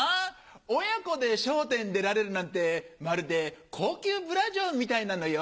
親子で『笑点』出られるなんてまるで高級ブラジャーみたいなのよ。